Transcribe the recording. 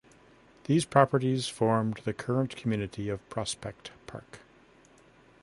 These properties formed the current community of Prospect Park.